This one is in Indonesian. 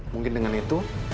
mungkin dengan itu